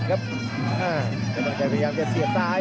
ก็สามารถที่จะเปิดแผลแตกได้